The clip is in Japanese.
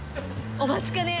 お待ちかね！